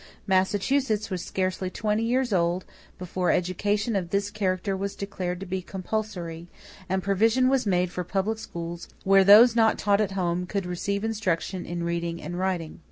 Massachusetts was scarcely twenty years old before education of this character was declared to be compulsory, and provision was made for public schools where those not taught at home could receive instruction in reading and writing.